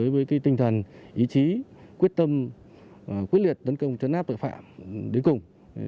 với tinh thần ý chí quyết tâm quyết liệt tấn công chấn áp tội phạm đến cùng